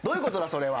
それは。